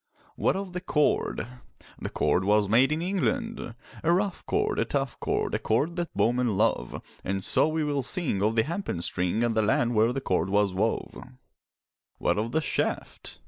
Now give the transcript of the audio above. What of the cord? The cord was made in England: A rough cord, a tough cord, A cord that bowmen love; And so we will sing Of the hempen string And the land where the cord was wove. What of the shaft?